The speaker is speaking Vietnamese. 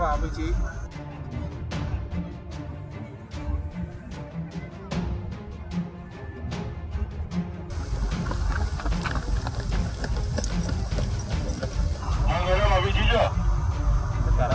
năm đầu chí hạng nhất bên tay phải